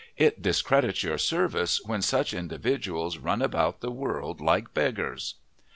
It discredits your service when such individuals run about the world like beggars."